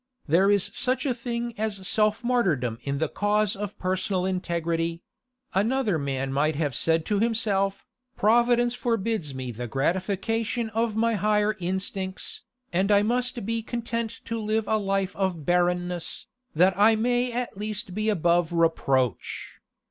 There is such a thing as self martyrdom in the cause of personal integrity; another man might have said to himself, 'Providence forbids me the gratification of my higher instincts, and I must be content to live a life of barrenness, that I may at least be above reproach.